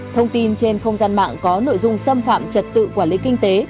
thông tin trên không gian mạng có nội dung xâm phạm trật tự quản lý kinh tế